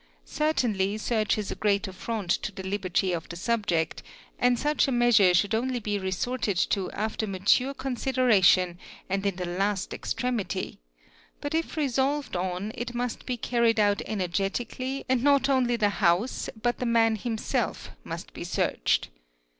Certainl search is a grave afront to the liberty of the subject, and such a measure should only be resorted to after mature consideration and in the las extremity, but if resolved on, it must be carried out energetically and n¢ only the house but the man himself must be searched.